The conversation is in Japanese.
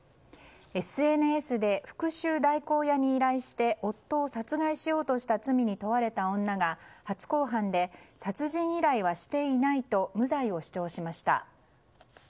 ＳＮＳで復讐代行屋に依頼して夫を殺害しようとした罪に問われた女が初公判で殺人依頼はしていないと無罪を主張しました。